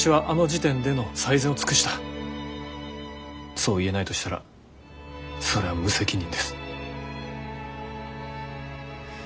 そう言えないとしたらそれは無責任です。